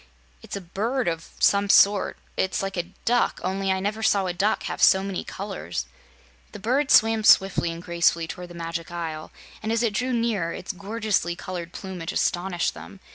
"It's a bird of some sort. It's like a duck, only I never saw a duck have so many colors." The bird swam swiftly and gracefully toward the Magic Isle, and as it drew nearer its gorgeously colored plumage astonished them.